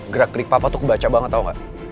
gerak gerik papa tuh baca banget tau gak